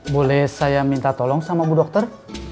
boleh saya minta tolong sama bu dokter